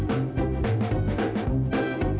nanti aku kasihin dia aja pepiting